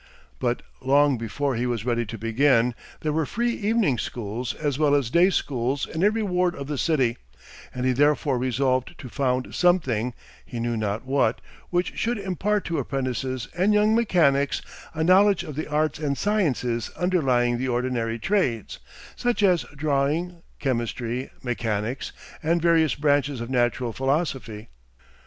But long before he was ready to begin, there were free evening schools as well as day schools in every ward of the city, and he therefore resolved to found something, he knew not what, which should impart to apprentices and young mechanics a knowledge of the arts and sciences underlying the ordinary trades, such as drawing, chemistry, mechanics, and various branches of natural philosophy.